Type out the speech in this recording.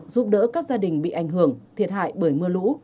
giúp đỡ các gia đình bị ảnh hưởng thiệt hại bởi mưa lũ